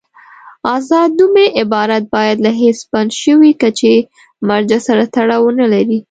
آزاد نومي عبارت باید له هېڅ بند شوي کچې مرجع سره تړاو ونلري.